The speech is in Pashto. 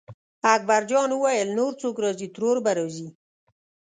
اکبرجان وویل نور څوک راځي ترور به راځي.